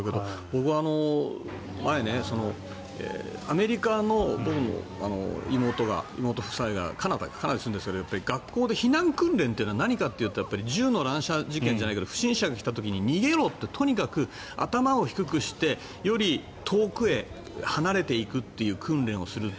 僕は前、アメリカの妹夫妻がカナダに住んでるんですけど学校で避難訓練は何かというと銃の乱射事件じゃないけど不審者が来た時に逃げろ！ってとにかく頭を低くしてより遠くへ離れていくという訓練をする。